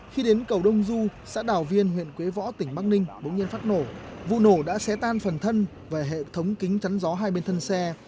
khi đến cầu đông du xã đảo viên huyện quế võ tỉnh bắc ninh bỗng nhiên phát nổ vụ nổ đã xé tan phần thân về hệ thống kính chắn gió hai bên thân xe